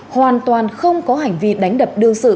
hoàn toàn không có hành vi đánh đập đương sự